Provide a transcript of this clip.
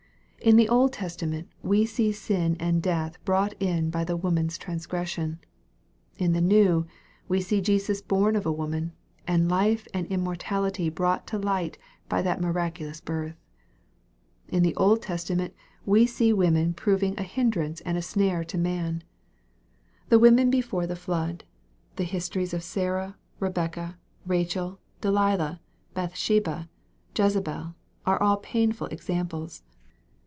In the Old Testament, we see sin and death brought in by the woman's transgression. In the New, we see Jesus born of a woman, and life and immortality brought to light by that miraculous birth. In the Old Testa ment, we often see woman proving a hindrance and a waare to man. Tlr e women before the flood, the histo MARK, CHAP. XV. 351 lies of Sarah, Rebecca, Rachel, Delilah, Bath sheba, Jezebel, are all painful examples.